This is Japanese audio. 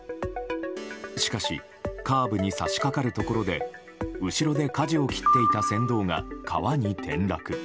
しかしカーブに差し掛かるところで後ろでかじを切っていた船頭が川に転落。